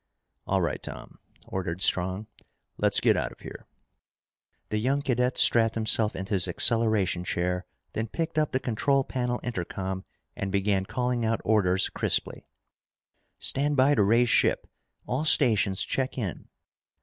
"All right, Tom," ordered Strong, "let's get out of here!" The young cadet strapped himself into his acceleration chair, then picked up the control panel intercom and began calling out orders crisply. "Stand by to raise ship! All stations check in!"